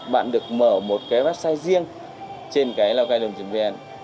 bạn được mở một website riêng trên lào cai đường triển vn